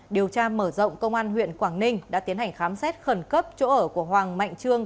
điều tra mở rộng công an huyện quảng ninh đã tiến hành khám xét khẩn cấp chỗ ở của hoàng mạnh trương